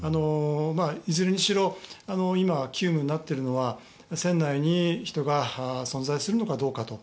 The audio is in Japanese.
いずれにしろ今、急務になっているのは船内に人が存在するのかどうかと。